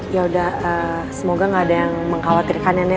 ya udah semoga gak ada yang mengkhawatirkan nenek